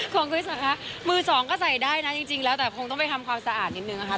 คริสต์คะมือสองก็ใส่ได้นะจริงแล้วแต่คงต้องไปทำความสะอาดนิดนึงนะคะ